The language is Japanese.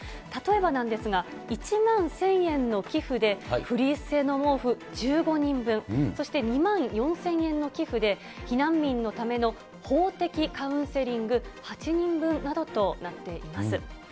例えばなんですが、１万１０００円の寄付で、フリース製の毛布１５人分、そして２万４０００円の寄付で、避難民のための法的カウンセリング８人分などとなっています。